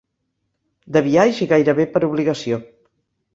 De biaix i gairebé per obligació.